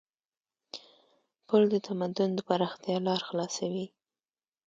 پل د تمدن د پراختیا لار خلاصوي.